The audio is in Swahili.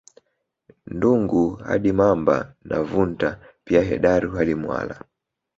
Ndungu hadi Mamba na Vunta pia Hedaru hadi Mwala